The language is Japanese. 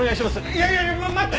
いやいや待って！